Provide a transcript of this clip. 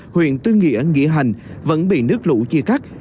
huyện tư nghĩa nghĩa hành vẫn bị nước lũ chia cắt